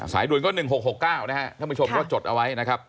ด่วนก็๑๖๖๙นะครับท่านผู้ชมก็จดเอาไว้นะครับ